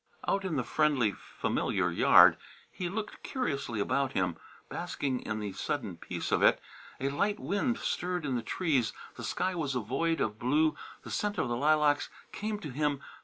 Out in the friendly, familiar yard, he looked curiously about him, basking in the sudden peace of it. A light wind stirred in the trees, the sky was a void of blue, the scent of the lilacs came to him.